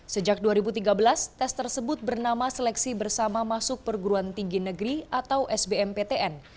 sejak dua ribu tiga belas tes tersebut bernama seleksi bersama masuk perguruan tinggi negeri atau sbmptn